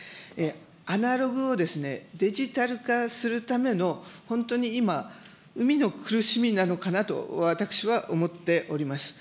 アナログをですね、デジタル化するための、本当に今、生みの苦しみなのかなと、私は思っております。